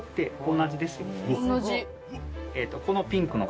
同じ。